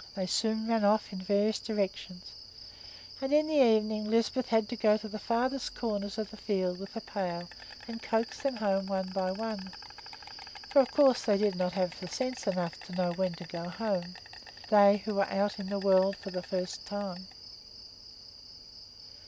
They soon ran off in various directions, and in the evening Lisbeth had to go to the farthest corners of the field with a pail and coax them home one by one; for of course they did not have sense enough to know when to go home, they who were out in the world for the first time!